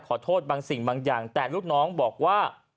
ขอโทษบางสิ่งบางอย่างแต่ลูกน้องบอกว่า